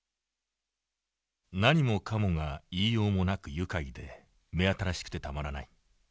「何もかもが言いようもなく愉快で目新しくてたまらない。